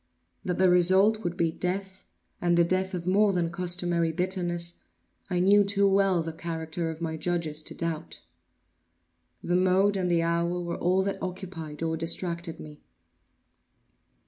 That the result would be death, and a death of more than customary bitterness, I knew too well the character of my judges to doubt. The mode and the hour were all that occupied or distracted me.